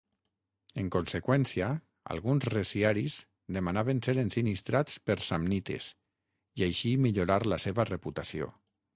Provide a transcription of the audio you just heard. En conseqüència, alguns reciaris demanaven ser ensinistrats per samnites i així millorar la seva reputació.